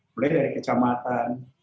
mulai dari kecamatan